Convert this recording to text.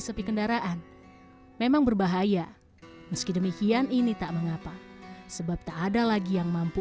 sepi kendaraan memang berbahaya meski demikian ini tak mengapa sebab tak ada lagi yang mampu